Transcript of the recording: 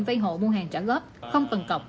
vây hộ mua hàng trả góp không cần cọc